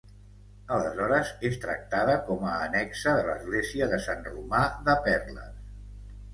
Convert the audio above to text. Aleshores és tractada com a annexa de l'església de Sant Romà de Perles.